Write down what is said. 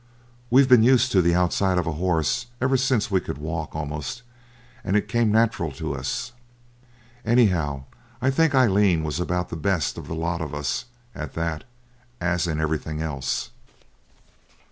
We'd been used to the outside of a horse ever since we could walk almost, and it came natural to us. Anyhow, I think Aileen was about the best of the lot of us at that, as in everything else.